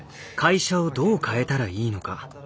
会社をどう変えたらいいのか。